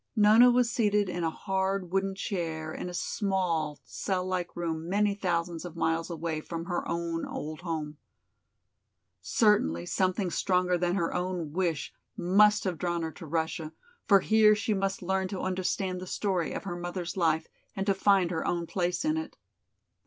Nona was seated in a hard wooden chair in a small, cell like room many thousands of miles away from her own old home. Certainly something stronger than her own wish must have drawn her to Russia, for here she must learn to understand the story of her mother's life and to find her own place in it.